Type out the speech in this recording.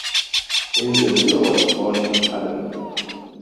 Inzerillo was born in Palermo.